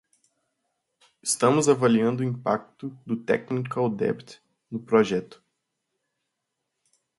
Estamos avaliando o impacto do technical debt no projeto.